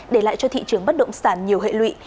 để lại cho thị trường bất động sản nhiều hệ lụy